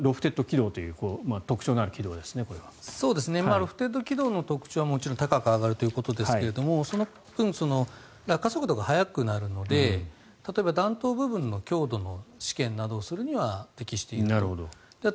ロフテッド軌道の特徴はもちろん高く上がるということですがその分、落下速度が速くなるので例えば、弾頭部分の強度の試験をするには適していると。